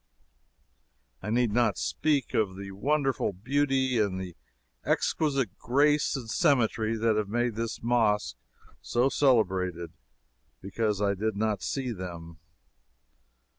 I need not speak of the wonderful beauty and the exquisite grace and symmetry that have made this Mosque so celebrated because I did not see them.